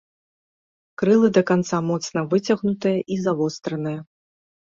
Крылы да канца моцна выцягнутыя і завостраныя.